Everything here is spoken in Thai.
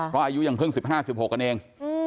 เพราะอายุยังเพิ่ง๑๕๑๖กันเอง